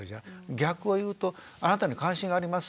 逆を言うとあなたに関心があります